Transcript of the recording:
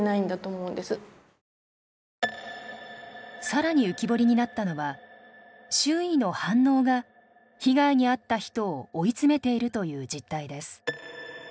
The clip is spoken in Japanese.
更に浮き彫りになったのは周囲の反応が被害に遭った人を追い詰めているという実態です。